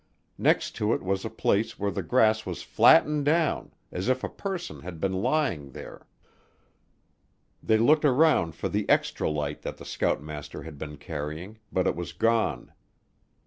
Next to it was a place where the grass was flattened down, as if a person had been lying there. They looked around for the extra light that the scoutmaster had been carrying, but it was gone.